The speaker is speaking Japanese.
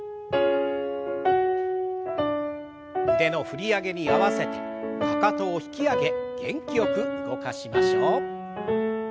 腕の振り上げに合わせてかかとを引き上げ元気よく動かしましょう。